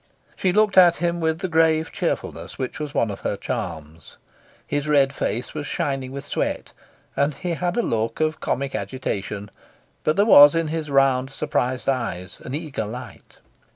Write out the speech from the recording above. She looked at him with the grave cheerfulness which was one of her charms. His red face was shining with sweat, and he had a look of comic agitation, but there was in his round, surprised eyes an eager light.